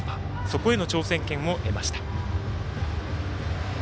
そこへの挑戦権を得ました。